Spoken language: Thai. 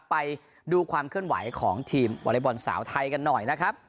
ไปดูความเคลื่อนไหวของทีมวอเล็กบอลสาวไทยกันหน่อยนะครับ